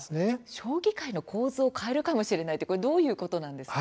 将棋界の構図を変えるかもしれない、どういうことですか。